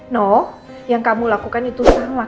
noh yang kamu lakukan itu salah